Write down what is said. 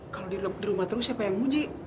kalau dilup di rumah dulu siapa yang muji